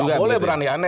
tidak boleh beranda anda